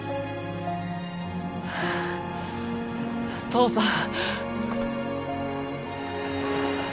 父さん。